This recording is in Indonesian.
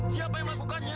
siapa yang lakukannya